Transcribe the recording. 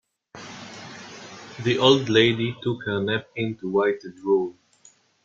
The old lady took her napkin to wipe the drool.